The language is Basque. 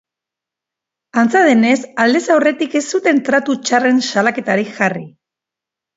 Antza denez, aldez aurretik ez zuten tratu txarren salaketarik jarri.